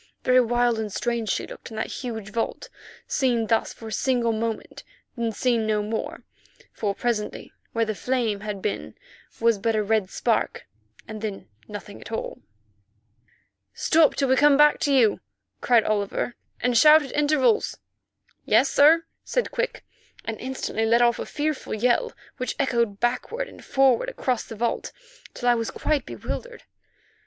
Very wild and strange she looked in that huge vault, seen thus for a single moment, then seen no more, for presently where the flame had been was but a red spark, and then nothing at all. "Stop still till we come back to you," cried Oliver, "and shout at intervals." "Yes, sir," said Quick, and instantly let off a fearful yell, which echoed backward and forward across the vault till I was quite bewildered.